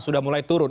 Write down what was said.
sudah mulai turun